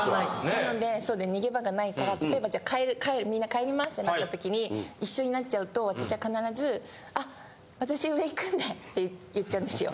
なので逃げ場がないから例えばみんな帰りますってなった時に一緒になっちゃうと私は必ず。って言っちゃうんですよ。